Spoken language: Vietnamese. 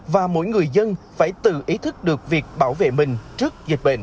và mỗi người dân phải tự ý thức được việc bảo vệ mình trước dịch bệnh